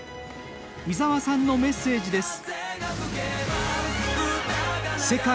伊澤さんのメッセージです。